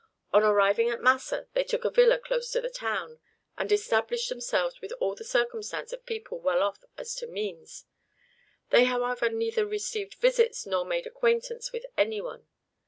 On arriving at Massa they took a villa close to the town, and established themselves with all the circumstance of people well off as to means. They, however, neither received visits nor made acquaintance with any one.